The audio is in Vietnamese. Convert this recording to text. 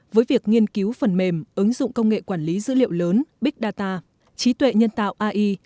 với việc nghiên cứu phần mềm ứng dụng công nghệ quản lý dữ liệu lớn big data trí tuệ nhân tạo ai